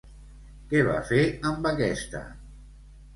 Què va fer amb aquesta?